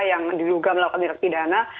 yang diduga melakukan tindak pidana